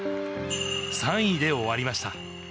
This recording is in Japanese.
３位で終わりました。